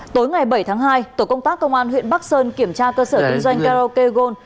tối ngày bảy tháng hai tổ công tác công an huyện bắc sơn kiểm tra cơ sở kinh doanh karaoke gold